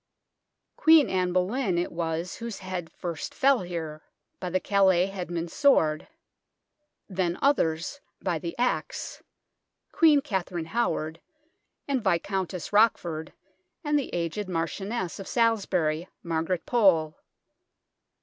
Queen Anne Boleyn it was whose head first fell here, by the Calais headsman's sword ; then others by the axe Queen Katharine Howard, and Viscountess Roch ford, and the aged Marchioness of Salisbury, Margaret Pole.